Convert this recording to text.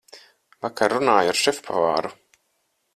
Vakar runāju ar šefpavāru.